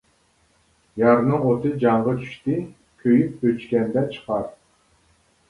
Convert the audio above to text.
يارنىڭ ئوتى جانغا چۈشتى، كۆيۈپ ئۆچكەندە چىقار.